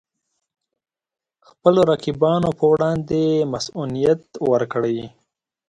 خپلو رقیبانو پر وړاندې مصئونیت ورکړي.